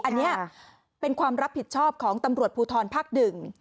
อันนี้เป็นความรับผิดชอบของตำรวจภูทรภาคหนึ่ง